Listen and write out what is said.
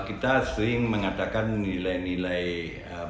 kita sering mengatakan nilai nilai